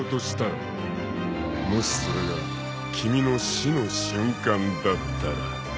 ［もしそれが君の死の瞬間だったら］